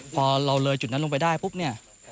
พอเราเลยจุดนั้นลงไปได้ปุ๊บเนี่ย